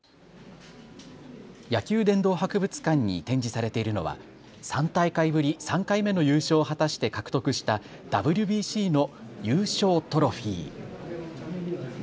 野球殿堂博物館に展示されているのは３大会ぶり３回目の優勝を果たして獲得したＷＢＣの優勝トロフィー。